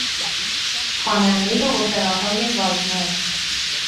خوانندهی اپراهای واگنر